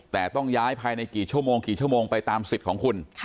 แต่ต้องย้ายภายในกี่ชั่วโมงกี่ชั่วโมงไปตามสิทธิ์ของคุณ